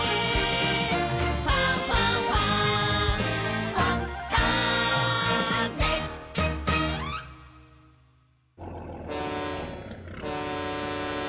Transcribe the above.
「ファンファンファン」ボボ！